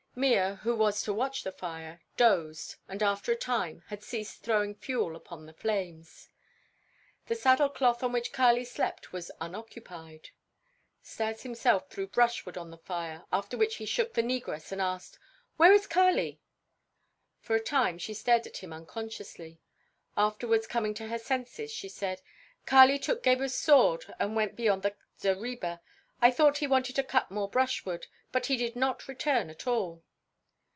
Mea, who was to watch the fire, dozed and after a time had ceased throwing fuel upon the flames. The saddle cloth on which Kali slept was unoccupied. Stas himself threw brushwood onto the fire, after which he shook the negress and asked: "Where is Kali?" For a time she stared at him unconsciously; afterwards coming to her senses, she said: "Kali took Gebhr's sword and went beyond the zareba. I thought he wanted to cut more brushwood, but he did not return at all."